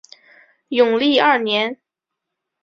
永历二年。